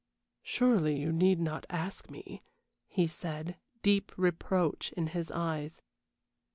"Surely you need not ask me," he said, deep reproach in his eyes.